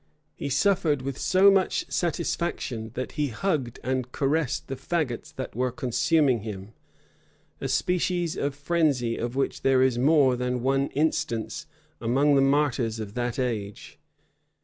He suffered with so much satisfaction, that he hugged and caressed the fagots that were consuming him; a species of frenzy of which there is more than one instance among the martyrs of that age.